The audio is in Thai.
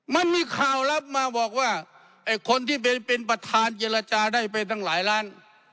มันมีข่าวลับมาบอกว่าไอ้คนที่เป็นประธานเจรจาได้ไปตั้งหลายล้าน